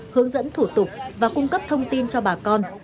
hướng dẫn thủ tục và cung cấp thông tin cho bà con